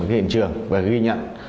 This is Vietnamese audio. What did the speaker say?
cái hình trường và ghi nhận